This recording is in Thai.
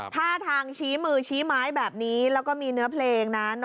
ท่าทางชี้มือชี้ไม้แบบนี้แล้วก็มีเนื้อเพลงนะ